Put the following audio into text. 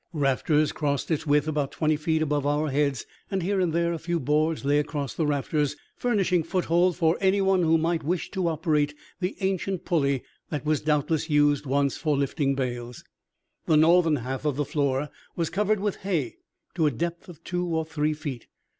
Rafters crossed its width about twenty feet above our heads, and here and there a few boards lay across the rafters, furnishing foothold for anyone who might wish to operate the ancient pulley that was doubtless once used for lifting bales. The northern half of the floor was covered with hay to a depth of two or three feet.